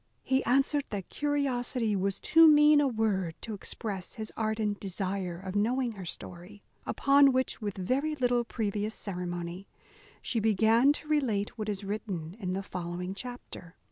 He answered, that curiosity was too mean a word to express his ardent desire of knowing her story. Upon which, with very little previous ceremony, she began to relate what is written in the following chapter.